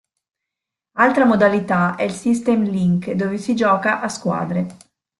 Altra modalità è il System Link, dove si gioca a squadre.